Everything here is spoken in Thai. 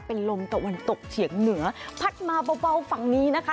เป็นลมตะวันตกเฉียงเหนือพัดมาเบาฝั่งนี้นะคะ